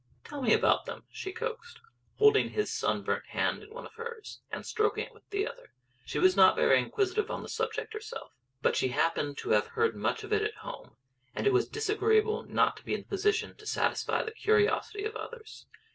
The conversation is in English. "Tell me about them," she coaxed, holding his sunburnt hand in one of hers, and stroking it with the other. She was not very inquisitive on the subject herself. But she happened to have heard much of it at home, and it was disagreeable not to be in a position to satisfy the curiosity of others.